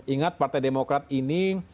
ingat partai demokrat ini